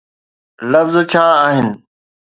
لفظ ڇا آهن؟